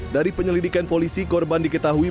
dari penyelidikan polisi korban diketahui